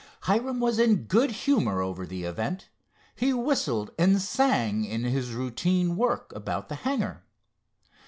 Hiram was in good humor over the event. He whistled and sang in his routine work about the hangar.